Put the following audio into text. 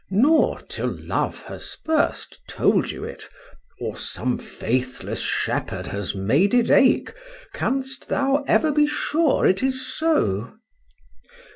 nor, till love has first told you it, or some faithless shepherd has made it ache, canst thou ever be sure it is so.